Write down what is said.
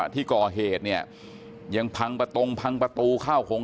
ที่ก่อเหตุเนี่ยยังพังประตงพังประตูข้าวของ